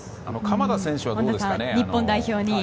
鎌田選手はどうですか？